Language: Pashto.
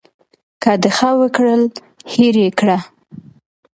که د ښه وکړل هېر یې کړه .